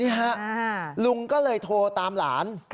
ลุงก็เลยโทรตามหลาน